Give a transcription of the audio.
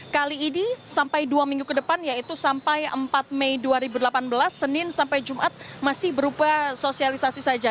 kali ini sampai dua minggu ke depan yaitu sampai empat mei dua ribu delapan belas senin sampai jumat masih berupa sosialisasi saja